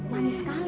manis sekali bu